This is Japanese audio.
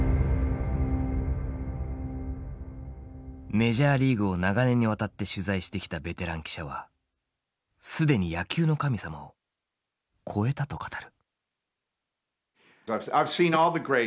メジャーリーグを長年にわたって取材してきたベテラン記者は「既に野球の神様を超えた」と語る。